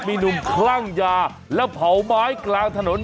มีหนุ่มคลั่งยาและเผาไม้กลางถนน